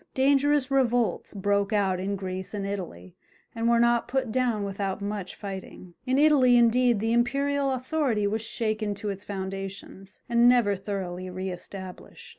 Dangerous revolts broke out in Greece and Italy, and were not put down without much fighting. In Italy, indeed, the imperial authority was shaken to its foundations, and never thoroughly re established.